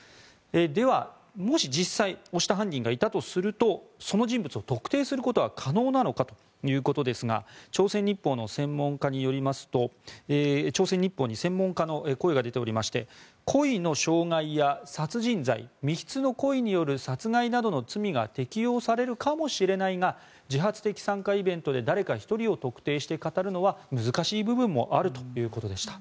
では、もし実際に押した犯人がいたとするとその人物を特定することは可能なのかということですが朝鮮日報に専門家の声が出ておりまして故意の傷害や殺人罪未必の故意による殺害などの罪が適用されるかもしれないが自発的参加イベントで誰か１人を特定して語るのは難しい部分もあるということでした。